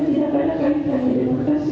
tidak pada kali kami dihentikan